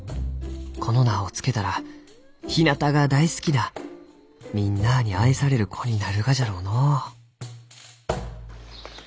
この名を付けたらひなたが大好きなみんなあに愛される子になるがじゃろうのう」。